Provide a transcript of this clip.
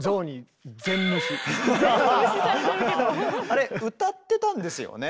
あれ歌ってたんですよね？